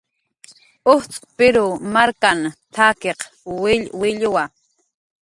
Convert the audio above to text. "Ujtz' Pirw markan t""akiq willwilluwa"